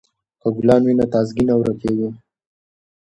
که ګلان وي نو تازه ګي نه ورکیږي.